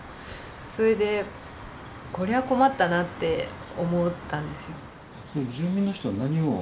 それでこりゃあ困ったなって思ったんですよ。